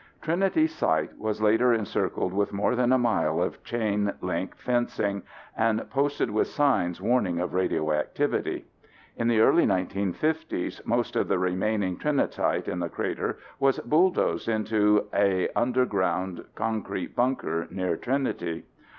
Trinity Site was later encircled with more than a mile of chain link fencing and posted with signs warning of radioactivity. In the early 1950s most of the remaining Trinitite in the crater was bulldozed into a underground concrete bunker near Trinity.